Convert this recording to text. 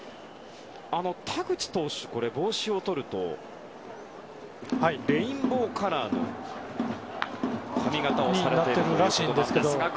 田口投手は帽子をとるとレインボーカラーの髪形をされていると。